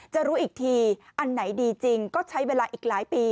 รู้อีกทีอันไหนดีจริงก็ใช้เวลาอีกหลายปี